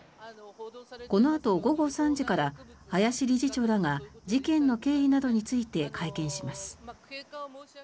このあと午後３時から林理事長らが事件の経緯などについて会見します。